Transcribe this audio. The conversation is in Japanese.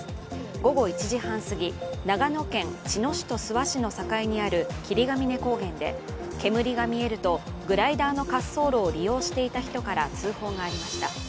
午後１時半すぎ、長野県茅野市と諏訪市の境にある霧ヶ峰高原で煙が見えると、グライダーの滑走路を利用していた人から通報がありました。